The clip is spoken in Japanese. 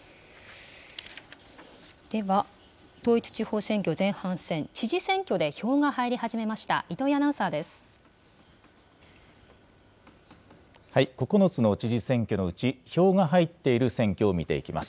では、統一地方選挙前半戦、知事選挙で票が入り始めました糸９つの知事選挙のうち、票が入っている選挙を見ていきます。